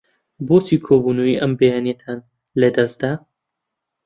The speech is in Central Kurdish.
بۆچی کۆبوونەوەی ئەم بەیانییەتان لەدەست دا؟